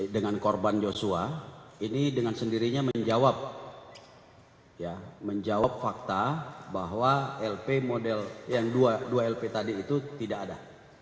dengan korban joshua ini dengan sendirinya menjawab fakta bahwa lp model yang dua lp tadi itu tidak ada